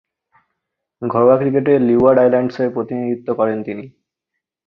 ঘরোয়া ক্রিকেটে লিওয়ার্ড আইল্যান্ডসের প্রতিনিধিত্ব করেন তিনি।